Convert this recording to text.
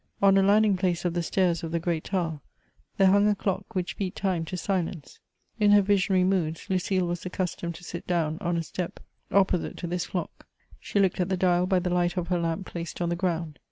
On a landing place of the stairs of the great tower, there hung a clock, which beat time to silence. In her visionary moods, Xucile was accustomed to sit down on a step opposite to this 128 MEMOIRS OF clock ; she looked at the dial hy the light of her lamp placed OD the ground.